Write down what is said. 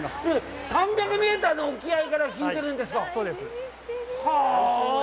３００メートルの沖合から引いているんですか！？